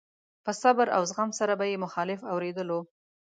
په صبر او زغم سره به يې مخالف اورېدلو.